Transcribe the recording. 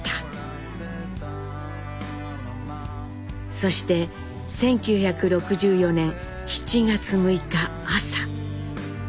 そして１９６４年７月６日朝。